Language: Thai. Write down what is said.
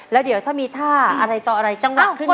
แล้วเดี๋ยวถ้ามีท่าอะไรต่ออะไรจังหวะขึ้นมา